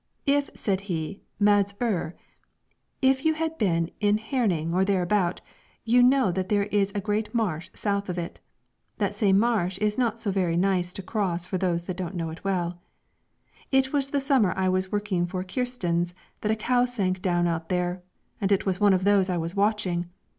"If," said he Mads Ur "if you have been in Herning or thereabout, you know that there is a great marsh south of it. That same marsh is not so very nice to cross for those that don't know it well. "It was the summer I was working for Kristens that a cow sank down out there, and it was one of those I was watching.